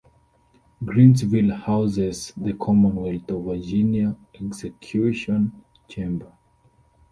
Greensville houses the Commonwealth of Virginia execution chamber.